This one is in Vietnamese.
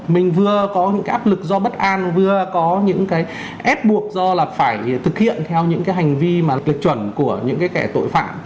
mình vừa có những cái áp lực do bất an vừa có những cái ép buộc do là phải thực hiện theo những cái hành vi mà tuyệt chuẩn của những cái kẻ tội phạm